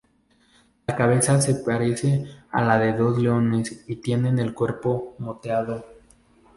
La cabeza se parece a la de los leones y tienen el cuerpo moteado.